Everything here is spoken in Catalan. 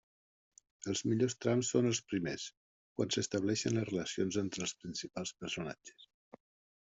Els millors trams són els primers, quan s'estableixen les relacions entre els principals personatges.